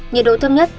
nhiệt độ thâm nhất